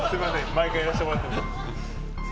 毎回やらせてもらってて。